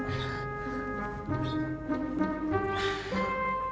tunggu bentar ya kakak